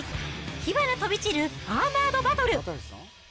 火花飛び散るアーマードバトル。